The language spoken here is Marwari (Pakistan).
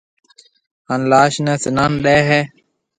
ھان لاش نيَ سنان ڏَي ھيََََ